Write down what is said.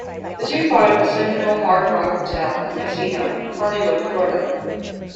The two fought at the Seminole Hard Rock Hotel and Casino, Hollywood, Florida.